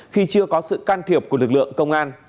khi chưa có sự can thiệp của lực lượng công an